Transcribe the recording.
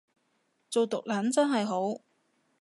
做毒撚真係好